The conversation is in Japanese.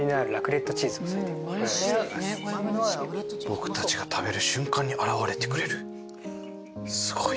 僕たちが食べる瞬間に現れてくれるすごい。